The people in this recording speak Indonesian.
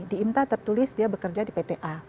di imta tertulis dia bekerja di pta